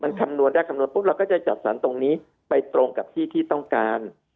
มันคำนวณได้คำนวณปุ๊บเราก็จะจัดสรรตรงนี้ไปตรงกับที่ที่ต้องการ